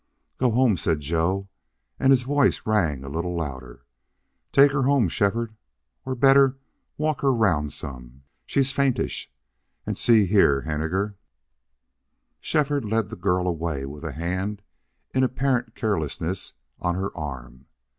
"Go home," said Joe, and his voice rang a little louder. "Take her home, Shefford. Or, better, walk her round some. She's faintish .... And see here, Henninger " Shefford led the girl away with a hand in apparent carelessness on her arm.